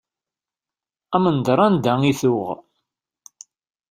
Amendeṛ anda i tuɣ.